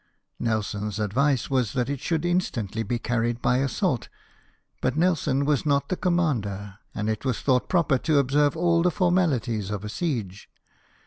Nelson's advice was that it should instantly 22 LIFE OF NELSON. be carried by assault ; but Nelson was not the com mander, and it was thought proper to observe all the formalities of a siege.